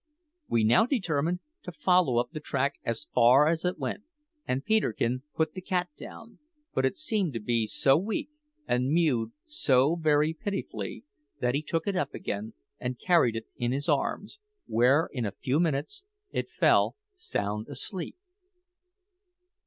We now determined to follow up the track as far as it went, and Peterkin put the cat down; but it seemed to be so weak, and mewed so very pitifully, that he took it up again and carried it in his arms, where in a few minutes it fell sound asleep.